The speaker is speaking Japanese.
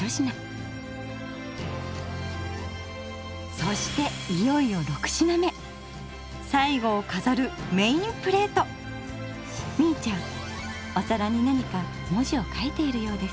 そしていよいよみいちゃんお皿に何か文字を書いているようです。